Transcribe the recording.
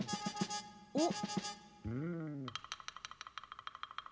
おっ？